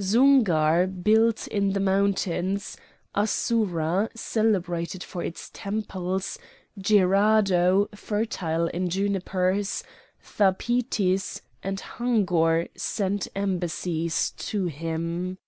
Zounghar built in the mountains, Assoura celebrated for its temple, Djeraado fertile in junipers, Thapitis, and Hagour sent embassies to him.